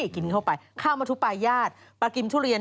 กินเข้าไปข้าวมะทุปาญาติปลากิมทุเรียน